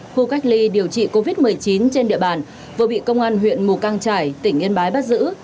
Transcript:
khu cách ly điều trị covid một mươi chín trên địa bàn vừa bị công an huyện mù căng trải tỉnh yên bái bắt giữ